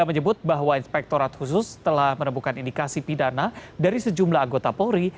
menyebut bahwa inspektorat khusus telah menemukan indikasi pidana dari sejumlah anggota polri